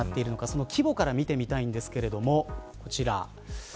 その規模から見てみたいんですが、こちら。